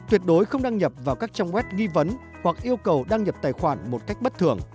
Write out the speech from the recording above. tuyệt đối không đăng nhập vào các trang web nghi vấn hoặc yêu cầu đăng nhập tài khoản một cách bất thường